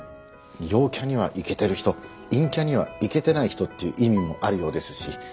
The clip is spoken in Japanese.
陽キャにはイケてる人陰キャにはイケてない人っていう意味もあるようですし